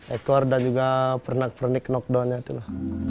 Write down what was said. ekor dan juga pernik pernik knockdownnya itu